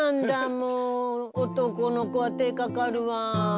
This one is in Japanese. もう男の子は手ぇかかるわ。